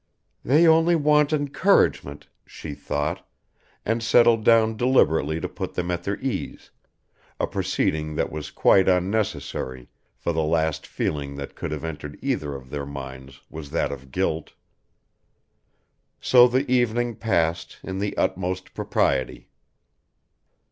"They only want encouragement," she thought, and settled down deliberately to put them at their ease, a proceeding that was quite unnecessary for the last feeling that could have entered either of their minds was that of guilt. So the evening passed, in the utmost propriety.